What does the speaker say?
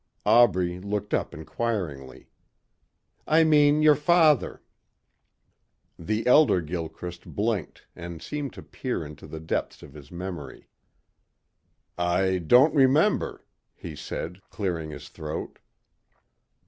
Aubrey looked up inquiringly. "I mean your father." The elder Gilchrist blinked and seemed to peer into the depths of his memory. "I don't remember," he said clearing his throat.